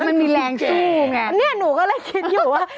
มันมีแรงสู้ไงนะครับข้างแกะนี่หนูก็เลยคิดอยู่ว่า